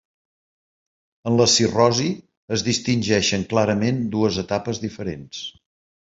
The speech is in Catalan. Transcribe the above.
En la cirrosi es distingeixen clarament dues etapes diferents.